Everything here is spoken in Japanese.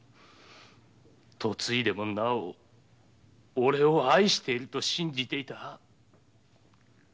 嫁いでもなお俺を愛していると信じていたバカさかげんを。